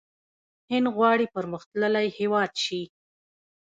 هند غواړي پرمختللی هیواد شي.